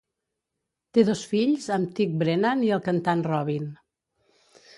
Té dos fills amb Thicke, Brennan i el cantant Robin.